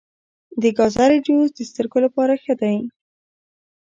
د ګازرې جوس د سترګو لپاره ښه دی.